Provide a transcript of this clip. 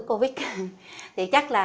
covid thì chắc là